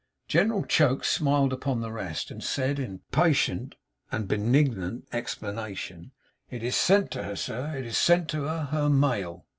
General Choke smiled upon the rest, and said, in patient and benignant explanation: 'It is sent to her, sir. It is sent to her. Her mail.